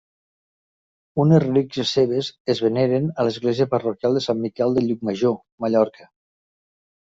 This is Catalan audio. Unes relíquies seves es veneren a l'Església Parroquial de Sant Miquel de Llucmajor, Mallorca.